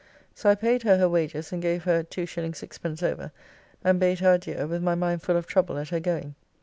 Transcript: So I paid her her wages and gave her 2s. 6d. over, and bade her adieu, with my mind full of trouble at her going.